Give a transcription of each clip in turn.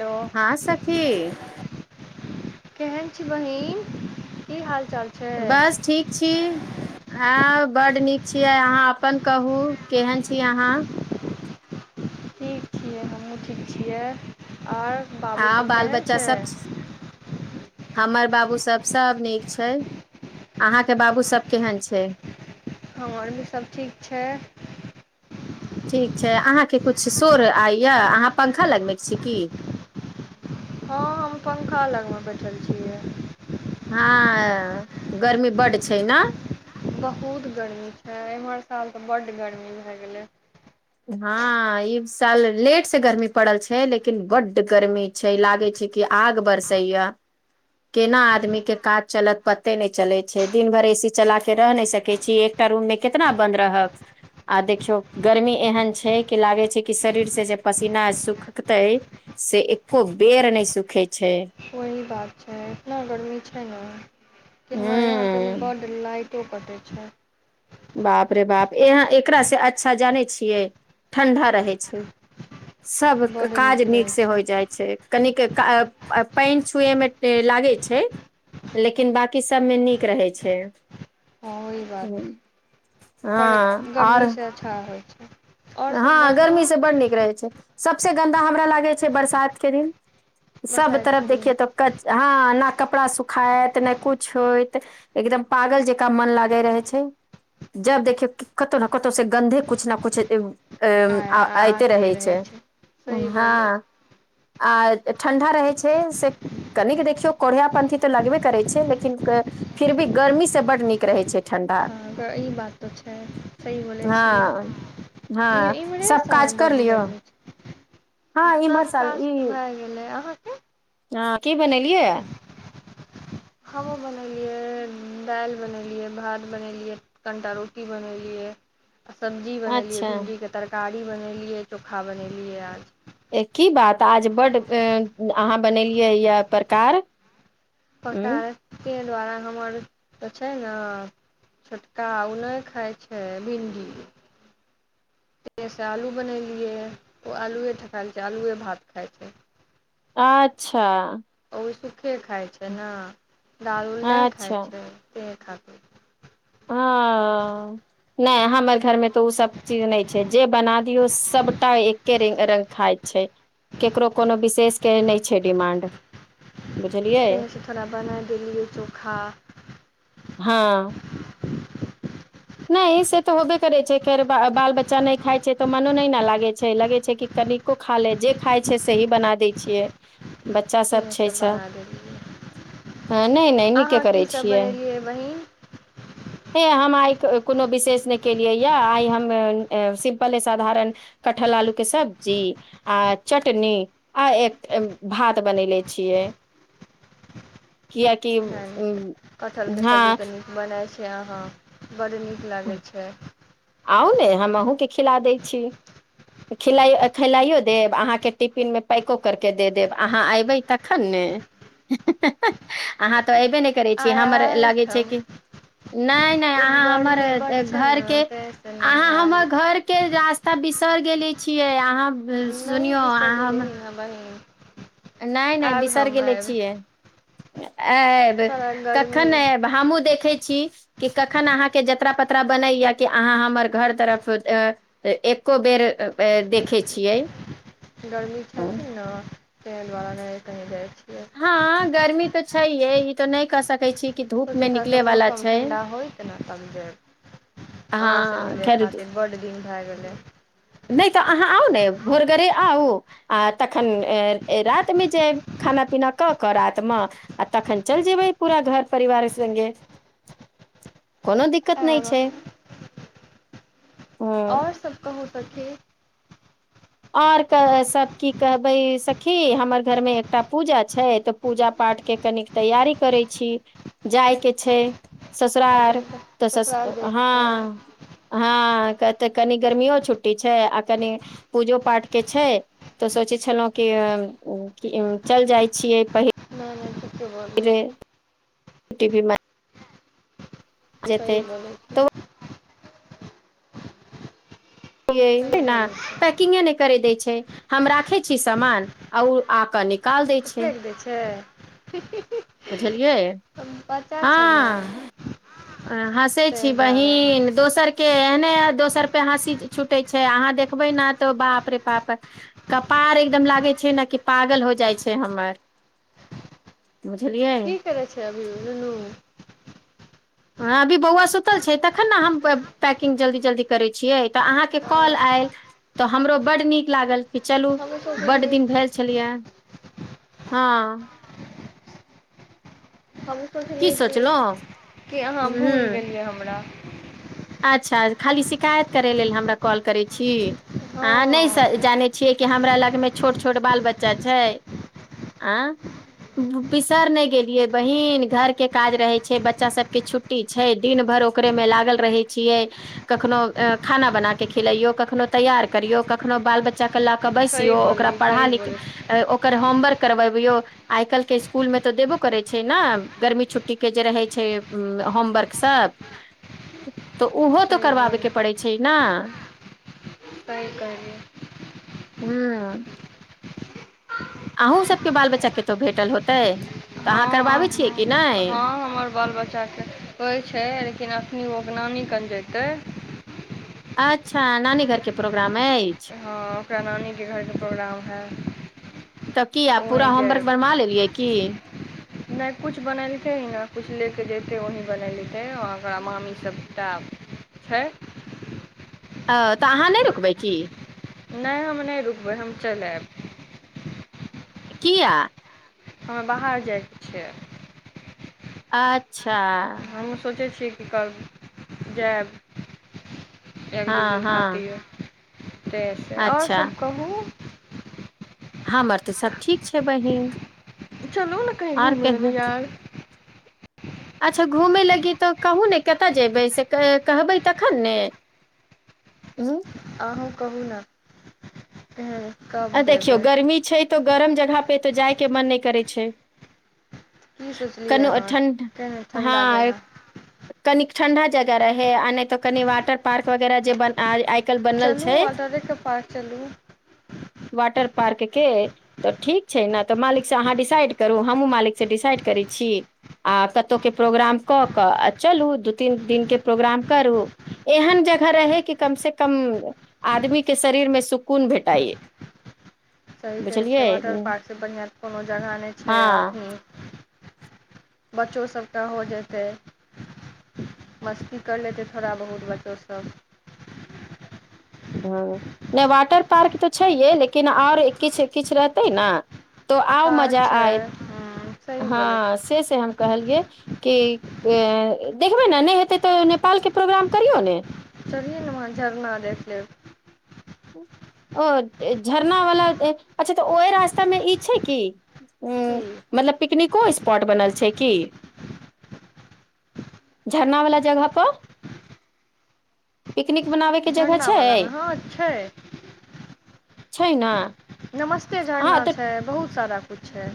Hello हँ सखी केहन छी बहिन? की हाल चाल? छै बस ठीक [unintelligible] हं बड्ड नीक छियै अहाँ अपन कहू केहन छी अहाँ? ठीक छियै हमहूँ ठीक छियै आर बाबू आ सब बाल केहन बच्चा छै? सब हमर बाबू सब सब नीक छै। अहाँके बाबू सब केहन छै? हँ [unintelligible] सब ठीक छै। ठीक छै। अहाँके किछ शोर आइयै, अहाँ पंखा लगबें छी की? हँ हम पंखा लगमे बैठल छियै। हँ गर्मी बड्ड छै ने। बहुत गर्मी छै एम्हर साल त बड गरमी भए गेलै। हँ ई साल लेट से गर्मी पड़ल छै लेकिन बड्ड गर्मी छै लागे छै कि आग बरसैया। केना आदमी के काज चलत पते नहि चले छै दिन भरि ए सी चला के रहि नहि सकैत छी एक टा रूम मे केतना बन्द रहब आ देखियौ गर्मी एहेन छै कि लागे छै कि शरीर से जे पसीना सुखतय से एको बेर नहि सुखे छै। वोही बात छै इतना गरमी छै ने कि हमरा यहाँ तऽ हूं बड्ड लाइट तो कैटय छै। बाप रे बाप यहाँ एकरास से अच्छा जानै छियै ठण्डा रहै छै। सब काज नीक से होय जाय छै कनिके आ पानि छुएमे ए लागैय छै। लेकिन बकी सबमे नीक रहै छै। हँ वोही बात पर हँ आओर गर्मीसँ अच्छा होइ छै। आओर सब हँ बतबू गर्मीसँ बड नीक रहै छै सभसँ गन्दा हमरा लागै छै बरसातके दिन सभ बरसाइत तरफ दिन देखिये तऽ कच हँ ना कपड़ा सुखाइत ने कुछ होइत। एकदम पागल जेकाँ मन लागय रहे छै। जब देखियौ क कतहु ना कतहु से गन्धे कुछ ना कुछ एब अ आइते आते रहै छै, सही बोलै हँ। आ ठण्डा रहै छै से कनिक देखियौ कोढ़िया पन्थी त लगबे करै छै लेकिन फिर भी गर्मी से बड नीक रहै छै। ठंडा हँ, ई बात तऽ छै सही बोलै छियै। हँ इ हँ इम्हरे सब काज साल कर बड लियौ गर्मी छै हँ इम्हर सब साल काज त भ ई भए गेलै अहाँके? हँ की बनेलियै? हमहु बनेलियै दालि बनेलियै भात बनेलियै कनिटा रोटी बनेलियै आ सब्जी बनेलियै अच्छा भिण्डीके तरकारी बनेलियै चोखा बनेलियै आज। ए की बात आज बड्ड ऐं अहाँ बनेलियै यए प्रकार। उ प्रकार [unintelligible] वाला हमर तऽ छै ना छोटका ओ नहि खाइ छै भिण्डी। सँ आलू बनेलियै ओ आलुए ठा खायए छै आलुए भात खाइ छै। आच्छा। ओ सुखे खाय छै न दैय- उल नैय खाय अच्छा छै सेहे खातिर। हँऽ। नैय हमर घरमे तऽ ओ सब चीज नैय छै जे बना दियौ सभटा एक केरिंग रंग खाय छै केकरो कोनो विशेष के नैय छै डिमाण्ड। तेय सं थोड़ा बना देलियै चोखा। हँ। नैय से त होबे करै छै खेर बा बाल बच्चा नैय खाय छै त मनो नैय ने लागै छै लगै छै कि कनिको खा लै जे खाय छै सेही बना दै छियै। बच्चा सब छै तेँसँ स। बना देलियै ह नैय- नैय नीके अहाँ करै कीसभ छियै बनेलियै बहीन हे हम आय कोनो विशेष नैय केलियै या आय हम सिम्पले साधारण कठहल आलू के सब्जी। आ चटनी आ एक भात बनेले छियै। [unintelligible] कियकि नैय कटहल के सब्जी हँ तऽ नीक बनल छै आहाँ बड नीक लागै छै। आउ ने हम अहूँके खिला दै छी। खिलाइ खिलाइयो देब अहाँके टिफिन मे पैको करके दे देब अहाँ एयबै क। खने आहाँ त ऐब न। करै छी आइ हमर लागैछै आइठाम की नैय- नैय आहाँ हमर। गर्मी बड्ड छै घर ने के ताहिसँ आहा नहि हमर आयब घर के रस तऽ बिसर गेले छियै आहाँ नहि सुनियो आहाँ हम। [unintelligible] नैय- नैय आयब बिसर हम गेले आयब छियै आऐब थोड़ा कखन गर्मी ने आऐब। हमहू देखै छी। कि कखन आहाँ के जतरा -पतरा बनैए कि आहाँ हमर घर तरफ। तऽ एको बेर देखै छियै। गर्मी हँ छैथि न तेैय दवारे नै कही जाय छियै। हँ गर्मी तऽ छैये ई तऽ नैय कैह सकै छी। कि धूप सोचे मे थोड़ निकले वाला मौसम छै ठण्डा होयतऽ ना तब जाइत। अहाँ से हँ मिलै खैर खातिर बड दिन भए गेलै। नैय तऽ आहाँ आउ ने भोरगरे आउ। आ तखन रातिमे जेब खाना पीना कऽ कऽ रातिमे। आ तखन चल जेबै पूरा घर परिवार संगे कोनो दिक्क कत नैय आएब छै। हँ और सब कहु सखी। और क सब की कहबै सखी हमरा घर मे एकटा पूजा छै तऽ पूजा पाठके कनि। तैयारी करै छी जाय के छैय। ससरार अच्छा तऽ सस ससुराल जाइके छै हँ। हँ तऽ कनि गर्मियो छुट्टी छै आ कनि। पूजो पाठ के छै तऽ सोचै छेलौ कि चैल जाय छियै पहिल। नैय- नैय [unintelligible] [unintelligible] देवी माय सही बोलै। छी तऽ सही बोलै छी [unintelligible] कि नैय करै दै छै हम राखै छी सामान आ ओ आकऽ निक तऽ फेक दै छैय ही ही ही। बुझलियै। बच्चा छै ने। अ हँसै ताहि छी दुआरे बहिन। दोसरके एहने दोसर पे हँसी छूटै छै अहाँ देखबै ने तऽ बाप रे बाप। कपार एकदम लागै छै ने कि पागल हो जाइ छै हमर। बुझलियै। की करै छै अभी नुनु। हँ अभी बौआ सुतल छै तखन ने हम पै पैकिंग जल्दी जल्दी करैत छियै तऽ अहाँके हँ कॉल आयल। तऽ हमरो बड नीक लागल कि चलू हमहूँ बड सोचलिए दिन भेल छलेए। हँ। हम सोचलियै की कि सोचलहुँ कि अहाँ भूलि ह गेलियै हमरा। अच्छा खाली शिकायत करै लेल हमरा कॉल करै छी आ हँ न। जानै छियै कि हमरा लगमे छोट छोट बाल बच्चा छै आ। बिसर नहि गेलियै बहिन घर के काज रहे छै बच्चा सबके छुट। टी छै दिन भर ओकरे में लागल रहै। छीयय कखनो खाना बना क खिलयोय कखनो तैयार करियो कखनो बाल बच्चा। क ल केऽ सही बैसियो ओकरा बोलली पढ़ा सही लिख बोलली ओकर होमवर्क करबबियौ। आइ काल्हिके इसकुलमे तऽ देबो करैत छै ने गर्मी छुट्टीके जे रहैत छै होमवर्कसभ। तऽ ओहो तऽ सही करबाबे के बोलली पड़ैत छै न। सही कहलीय। हू। हूँ। आहूँ सबके बाल बच्चा केतहु भेटल होतै। तऽ अहाँ हँ करबाबै छियै कि हँ नहि हँ हमर बाल बच्चाके। होइ छै लेकिन एखन ओ नानी कन जेतै। अच्छा नानी घर के प्रोग्राम अइछ। हँ ओकरा नानीके घरके प्रोग्राम हइ। तब की आब तऽ वहीँ पूरा होमवर्क जायब बनवा लेलियै की। नहि किछु बनेलकै यहाँ किछु लऽ कऽ जेतै वही बनेलकै आ ओकरा मामीसभटा। छै। अ तऽ अहाँ नैह रुकबै की। नहि हम नहि रुकबै हम चैल ऐब। किया। हमे बाहर जाइके छैै। आ हमहूँ सोचै छियै कि करब जेब। एक हँ दू दिन हँ खातिर ताहिसँ ओर अच्छा सभ कहू। हमर तऽ सब ठीक छै बहिन। चलू ने कही आर घुमय ल कहियौ यार। अच्छा घूमय लगी तऽ कहू ने कतय जेबै से कहबै तखन ने। उँ। अहूँ कहू ने तेन कब आ देखियौ देबै। गर्मी छै। तो गरम जगह पे तो जाय के मन नहि करे छै। की सोचलियै कनो ओ अहाँ केहन ठण्डा ठण्डा हँ। जगह कनी ठण्डा जगह रहै आ नहि तऽ कनि वाटर पार्क वगैरह जे बनाबई जे। चलू वाटरे के पास चलू। वाटर पार्क के। तऽ ठीक छै ने तऽ मालिकसँ अहाँ डिसाइड करू हमहूँ मालिकसँ डिसाइड करै छी। आ कतहुके प्रोग्राम कऽ कऽ आ चलू दू तीन दिनके प्रोग्राम करू। एहन जगह रहै कि कम से कम आदमी के शरीर मे सुकून भेटाइए। सही कहै छै वाटर पार्कसँ बढ़िआँ कोनो जगह नहि छै हँ अखनी। बच्चो सभके हो जेतै। मस्ती करि लेत थोड़ा बहुत बच्चोसभ। हँ नहि वाटर पार्क तऽ छैहे लेकिन आओर किछु किछु रहतै ने तो आउ पार्क मजा छै आय, हूँ सही बोलै हँ छी से से हम कहलियै कि देखबै ने नहि हेतै तऽ नेपाल के प्रोग्राम करियौ ने। चलियौ ने वहाँ झरना देख लेब। ओ झरना वाला अच्छा तऽ ओहि रास्ता मे ई छैय कि? ह की मतलब पिकनिको स्पॉट बनल छै की? झरना वाला जगह पर पिकनिक बनाबयके जगह छैय, झरनावलामे हँ छै छैय न। नमस्ते झरना छैय, बहुत सारा किछ छैय।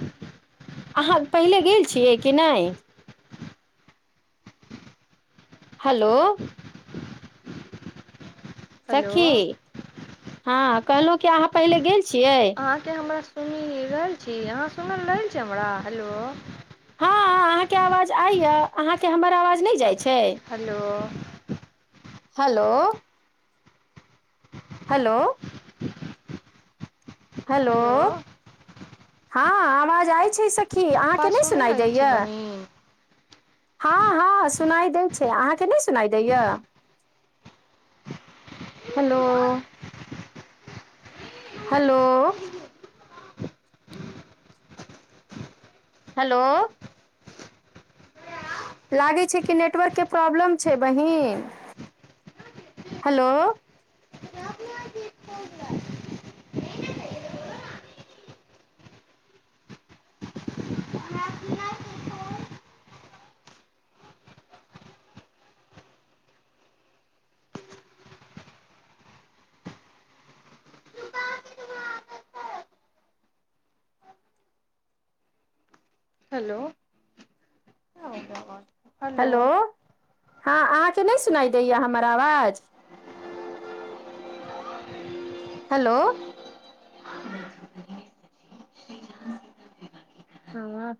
अहाँ पहिले गेल छियै कि नहि? हेलो। हेलो सखी, हँ कहलहुँ कि अहाँ पहिले गेल छियै। अहाँके हमरा सुनी रहल छी अहाँ सुनल रह छी हमरा हेलो। हँ अहाँके आवाज आइया अहाँके हमर आवाज नहि जाइ छैय। हेलो। हेलो। हेलो। हेलो, हँ आवाज आय छैय सखी अहाँके नहि सुनि सुनाइ रहल छी दैयए। बहिन हँ-हँ सुनाइ देै छैय अहाँके नहि सुनाइ दैया? हेलो। हेलो। हेलो। लागे छैय कि नेटवर्क के प्रॉब्लम छैय बहिन, हेलो। [inaudible] हेलो। [unintelligible] हेलो, हँ अहाँके नहि सुनाइ दैयए हमर आवाज। हेलो। हँ।